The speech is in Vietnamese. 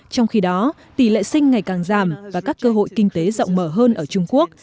trong khi đó tỷ lệ sinh ngày càng giảm và các cơ hội kinh tế rộng mở hơn ở trung quốc